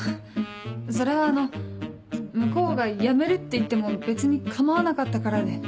それはあの向こうが「やめる」って言っても別に構わなかったからで。